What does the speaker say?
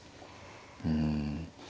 うん。